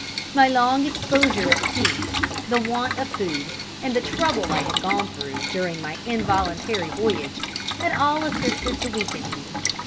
My long exposure at sea, the want of food, and the trouble I had gone through, during my involuntary voyage, had all assisted to weaken me.